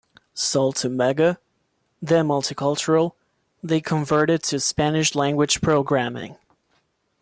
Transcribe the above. Sold to Mega then Multicultural, they converted to Spanish-language programming.